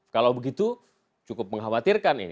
kalau begitu cukup mengkhawatirkan nih